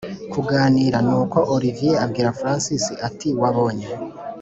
kuganira nuko olivier abwira francis ati”wabonye